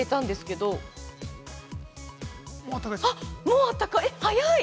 もうあったかい！